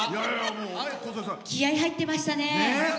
気合い入ってましたね。